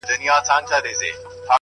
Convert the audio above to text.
• چیغي پورته له سړیو له آسونو ,